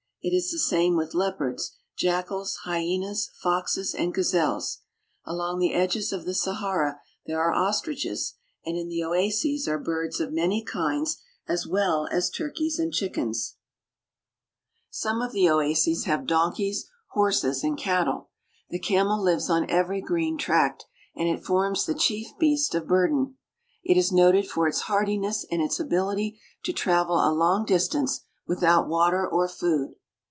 It is the same with leopards, jackals, kyenas, foxes, and gazelles. Along the edges of the Sahara nere are ostriches, and in the oases are birds of many ^ds as well as turkeys and chickens. I 4 78 AFRICA Some of the oases have donkeys, horses, and cattle. The camel lives on every green tract, and it forms the chief beast of burden. It is noted for its hardiness and its ability to travel a long distance without water or food.